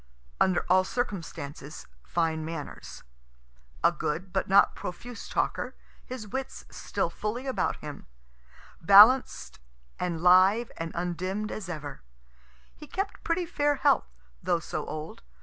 Under all circumstances, fine manners; a good but not profuse talker, his wits still fully about him, balanced and live and undimm'd as ever. He kept pretty fair health, though so old.